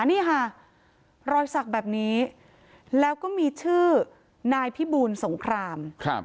นี่ค่ะรอยสักแบบนี้แล้วก็มีชื่อนายพิบูลสงคราม